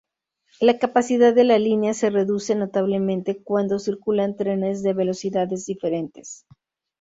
La capacidad de la línea se reduce notablemente cuando circulan trenes de velocidades diferentes.